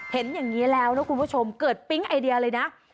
เห็นอย่างนี้แล้วนะคุณผู้ชมเกิดปิ๊งไอเดียเลยนะ